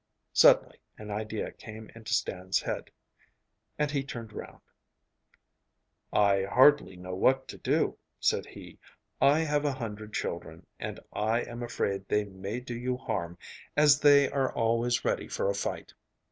Suddenly an idea came into Stan's head, and he turned round. 'I hardly know what to do,' said he. 'I have a hundred children, and I am afraid they may do you harm, as they are always ready for a fight.